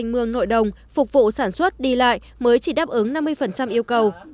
mới chỉ đáp ứng năm mươi yêu cầu